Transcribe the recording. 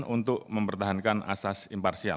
untuk mempertahankan asas imparsial